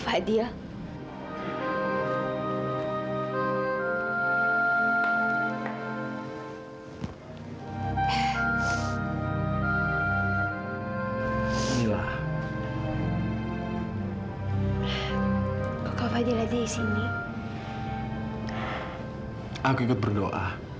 aku ikut berdoa